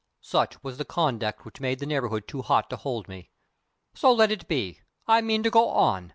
Such was the conduct which made the neighborhood too hot to hold me. So let it be! I mean to go on.